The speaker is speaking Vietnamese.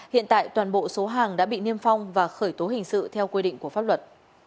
hiện tại toàn bộ số hàng đã bị niêm phong và khởi tố hình sự theo quy định của pháp luật